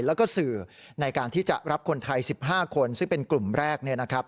แล้วก็สื่อในการที่จะรับคนไทย๑๕คนซึ่งเป็นกลุ่มแรกเนี่ยนะครับ